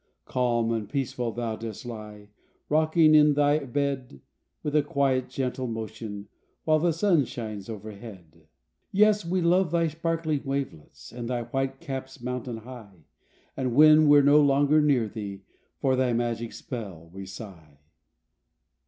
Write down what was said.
Calm and peaceful thou do3t lie, Rocking in thy ocean bed, With a quiet gentle motion, While the sun .shines overhead. Yes, we love thy sparkling wavelets, And thy white caps mountain high, And when we're no longer near thee, For thy magic spell we sigh.